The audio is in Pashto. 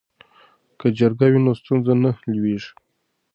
که جرګه وي نو ستونزه نه لویږي.